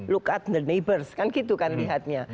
look at the napers kan gitu kan lihatnya